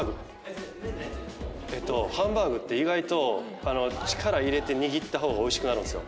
ハンバーグって意外と力入れて握った方が美味しくなるんですよ。